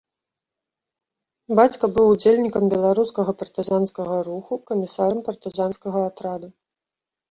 Бацька быў удзельнікам беларускага партызанскага руху, камісарам партызанскага атрада.